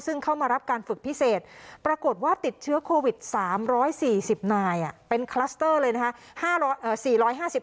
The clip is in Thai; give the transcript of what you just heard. ซึ่งเข้ามารับการฝึกพิเศษปรากฏว่าติดเชื้อโควิด๓๔๐นายเป็นคลัสเตอร์เลยนะคะ